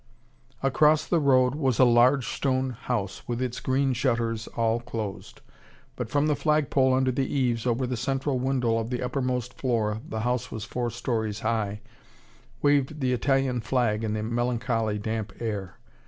Across the road was a large stone house with its green shutters all closed. But from the flagpole under the eaves, over the central window of the uppermost floor the house was four storeys high waved the Italian flag in the melancholy damp air.